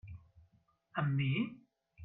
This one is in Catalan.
Amb mi?